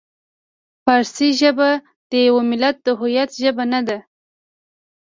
فارسي ژبه د یوه ملت د هویت ژبه نه ده.